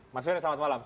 mas ferry selamat malam